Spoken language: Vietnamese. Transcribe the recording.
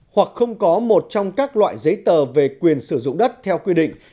hoặc không có một trong các loại giấy tờ về quyền sử dụng đất theo quy định